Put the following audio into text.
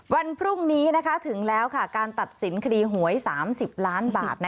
วันพรุ่งนี้ถึงแล้วการตัดสินคดีหวย๓๐ล้านบาท